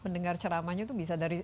pendengar ceramahnya tuh bisa dari rumah